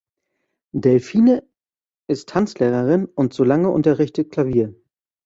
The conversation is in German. Delphine ist Tanzlehrerin und Solange unterrichtet Klavier.